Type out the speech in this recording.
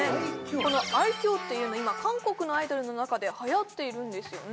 この「愛嬌」というのは今韓国のアイドルの中ではやっているんですよね